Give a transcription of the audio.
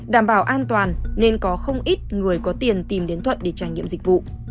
đảm bảo an toàn nên có không ít người có tiền tìm đến thuận để trải nghiệm dịch vụ